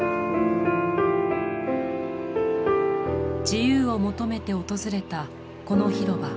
自由を求めて訪れたこの広場。